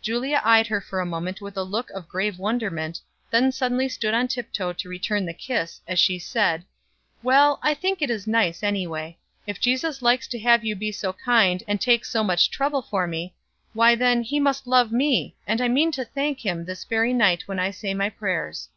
Julia eyed her for a moment with a look of grave wonderment, then suddenly stood on tiptoe to return the kiss, as she said: "Well, I think it is nice, anyway. If Jesus likes to have you be so kind and take so much trouble for me, why then he must love me, and I mean to thank him this very night when I say my prayers."